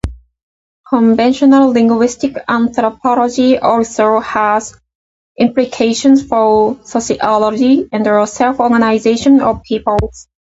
Conventional linguistic anthropology also has implications for sociology and self-organization of peoples.